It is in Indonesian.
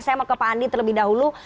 saya mau ke pak andi terlebih dahulu